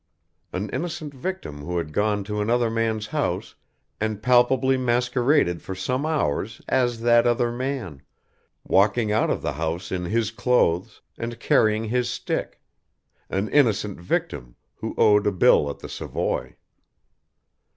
An innocent victim who had gone to another man's house and palpably masqueraded for some hours as that other man, walking out of the house in his clothes and carrying his stick, an innocent victim, who owed a bill at the Savoy.